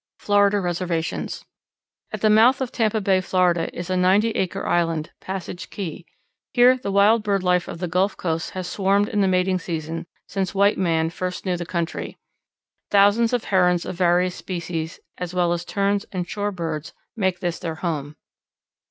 Florida Reservations. At the mouth of Tampa Bay, Florida, is a ninety acre island, Passage Key. Here the wild bird life of the Gulf Coast has swarmed in the mating season since white man first knew the country. Thousands of Herons of various species, as well as Terns and shore birds, make this their home.